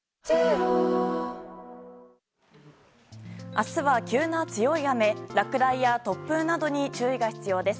明日は急な強い雨落雷や突風などに注意が必要です。